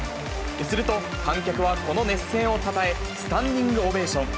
すると観客はこの熱戦をたたえ、スタンディングオベーション。